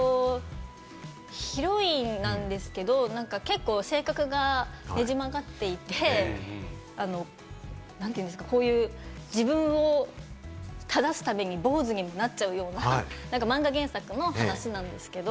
ヒロインなんですけれども、結構性格が捻じ曲がっていて、こういう自分を正すために坊主になっちゃうような、漫画原作の話なんですけれども。